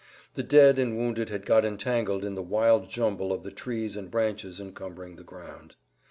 The dead and wounded had got entangled in the wild jumble of the trees and branches encumbering the ground.